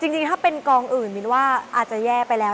จริงถ้าเป็นกองอื่นมินว่าอาจจะแย่ไปแล้ว